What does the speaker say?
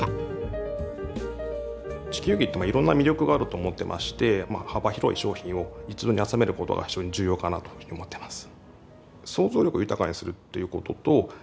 地球儀っていろんな魅力があると思ってまして幅広い商品を一堂に集めることが非常に重要かなというふうに思ってます。